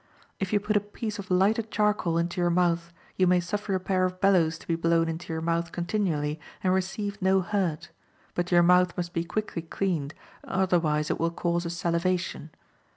If you put a piece of lighted charcoal into your mouth, you may suffer a pair of bellows to be blown into your mouth continually and receive no hurt; but your mouth must be quickly cleaned, otherwise it will cause a salivation.